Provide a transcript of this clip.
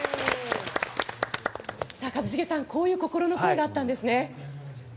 一茂さん、こういう心の声があったんですね。